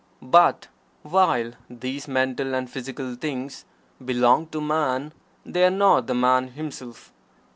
But while these mental and physical things belong to Man, they are not the Man himself.